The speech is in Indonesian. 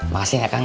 makasih ya kang